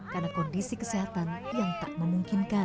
karena kondisi kesehatan yang tak memungkinkan